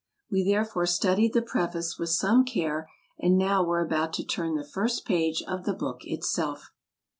We therefore studied the preface with some care, and now were about to turn the first page of the book itself.